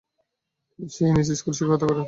তিনি Saint Anne's স্কুলে শিক্ষকতা করতেন।